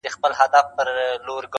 • یو په نوم د خلیفه خوري خیراتونه -